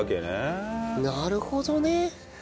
なるほどね。